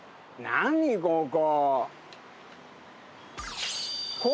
何ここ？